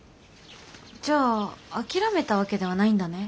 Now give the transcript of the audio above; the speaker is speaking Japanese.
じゃあ諦めたわけではないんだね